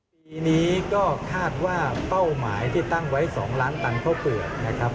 ปีนี้ก็คาดว่าเป้าหมายที่ตั้งไว้๒ล้านตันข้าวเปลือกนะครับ